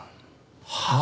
はあ？